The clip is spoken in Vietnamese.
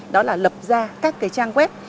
đó là lập ra các cái trang web